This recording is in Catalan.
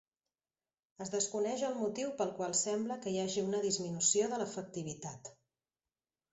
Es desconeix el motiu pel qual sembla que hi hagi una disminució de l'efectivitat.